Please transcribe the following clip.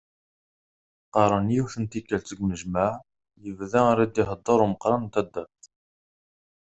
Qqarren, yiwet n tikkelt, deg unejmaɛ, yebda ara d-iheddeṛ umeqqran n taddart.